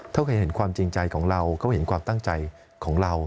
เขาเคยเห็นความจริงใจของเราเขาเห็นความตั้งใจของเรา